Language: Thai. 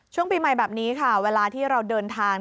ช่วงปีใหม่แบบนี้ค่ะเวลาที่เราเดินทาง